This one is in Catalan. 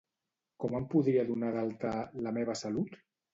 Com em podria donar d'alta a La meva salut?